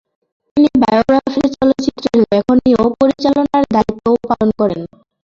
তিনি বায়োগ্রাফের চলচ্চিত্রে লেখনী ও পরিচালনার দায়িত্বও পালন করেন।